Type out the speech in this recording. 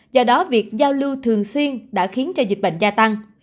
do đó việc giao lưu thường xuyên đã khiến cho dịch bệnh gia tăng